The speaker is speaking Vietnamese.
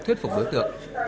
thuyết phục đối tượng